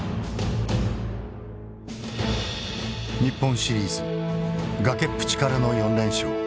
日本シリーズ崖っぷちからの４連勝。